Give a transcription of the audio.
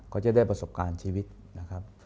ก็จะได้ประสบการณ์ชีวิตนะครับ